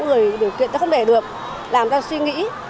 người điều kiện ta không để được làm ta suy nghĩ